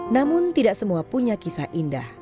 namun tidak semua punya kisah indah